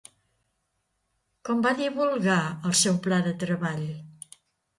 Com va divulgar el seu pla de treball?